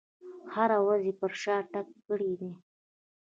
هره ورځ یې پر شا تګ کړی دی.